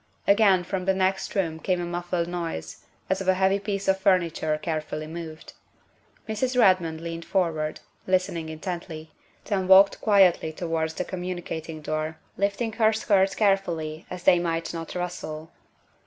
Again from the next room came a muffled noise, as of a heavy piece of furniture carefully moved. Mrs. Redmond leaned forward, listening intently, then walked quietly towards the communicating door, lifting her skirts carefully that they might not rustle.